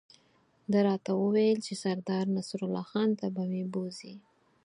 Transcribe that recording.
ده راته وویل چې سردار نصرالله خان ته به مې بوزي.